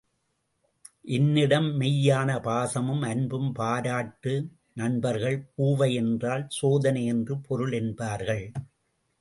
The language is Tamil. என்னிடம் மெய்யான பாசமும் அன்பும் பாராட்டு நண்பர்கள், பூவை என்றால், சோதனை என்று பொருள் என்பார்கள்.